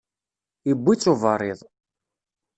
Iwwi-tt uberriḍ.